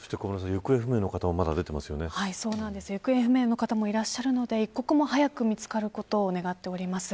行方不明の方も行方不明の方もいらっしゃるので一刻も早く見つかることを願っています。